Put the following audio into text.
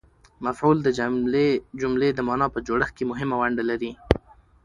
مفعول د جملې د مانا په جوړښت کښي مهمه ونډه لري.